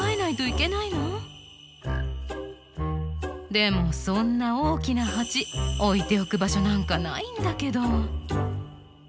でもそんな大きな鉢置いておく場所なんかないんだけど」。